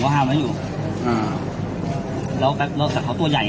ใช่ครับ